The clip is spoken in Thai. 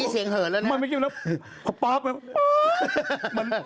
เสียงนี่พอนี่ไหวนะ